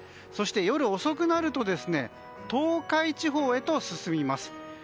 そして夜遅くなると東海地方へと進みます。